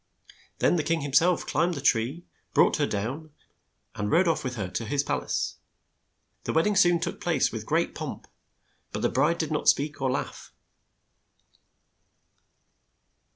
Then the king him self climbed the tree, brought her down, and rode off with her to his pal ace. The wed ding soon took place with great pomp, but the bride did not speak or laugh.